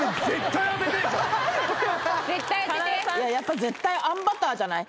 ・絶対当ててやっぱ絶対あんバターじゃない？